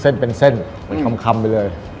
เส้นเป็นเส้นเป็นคำไปเลย